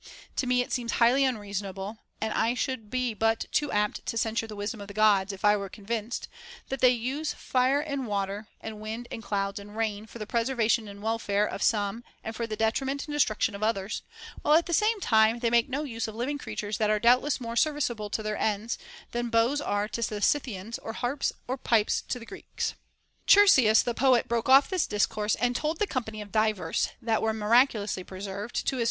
To me it seems highly un reasonable — and I should be but too apt to censure the wisdom of the Gods, if I were convinced — that they use fire, and water, and wind, and clouds, and rain for the preservation and welfare of some and for the detriment and destruction of others, while at the same time they make no use of living creatures that are doubtless more serviceable to their ends than bows are to the Scythians or harps or pipes to the Greeks. Chersias the poet broke off this discourse, and told the company of divers that were miraculously preserved to his * Μηδέν άγαν, Ne quid nimis. 40 THE BANQUET OF THE SEVEN WISE MEN.